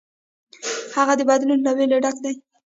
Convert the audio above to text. هغه د بدلون له ویرې ډک دی.